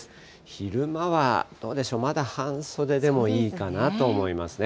昼間はどうでしょう、まだ半袖でもいいかなと思いますね。